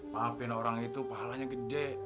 maafin orang itu pahalanya gede